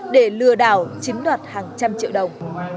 để lừa đảo chiếm đoạt hàng trăm triệu đồng